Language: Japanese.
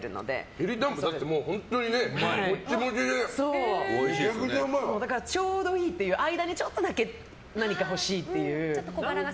きりたんぽ、本当にモチモチでちょうどいいっていう間にちょっとだけ何か欲しいっていう。